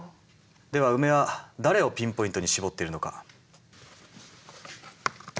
ではウメは誰をピンポイントに絞っているのか。